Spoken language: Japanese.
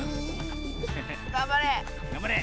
がんばれ！